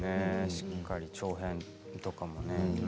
しっかり長編とかもね。